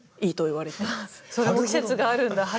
それも季節があるんだ春ごろの。